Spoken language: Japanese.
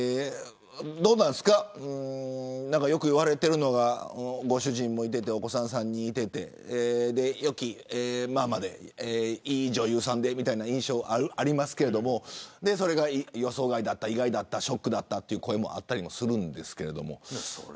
よくいわれているのがご主人もいてお子さんも３人いて良きママで、いい女優さんでみたいな印象がありますけどそれが予想外だった、意外だったショックだったという声もあったりしますが。